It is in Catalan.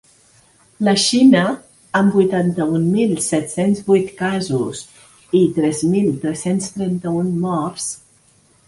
La Xina, amb vuitanta-un mil set-cents vuit casos i tres mil tres-cents trenta-un morts.